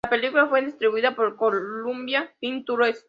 La película fue distribuida por Columbia Pictures.